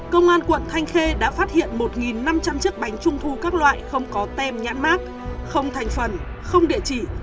công an quận thanh khê đã phát hiện một năm trăm linh chiếc bánh trung thu các loại không có tem nhãn mát không thành phần không địa chỉ